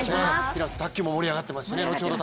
卓球も盛り上がっていますし後ほど